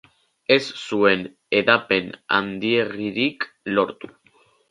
Ez zuen hedapen handiegirik lortu.